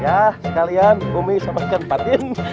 ya sekalian booming sama ikan patin